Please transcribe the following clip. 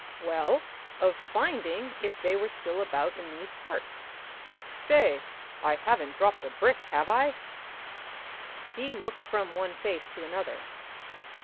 "Well, of finding if they were still about in these parts.... Say! I haven't dropped a brick, have I?" He looked from one face to another.